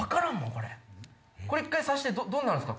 これこれ挿してどうなるんすか？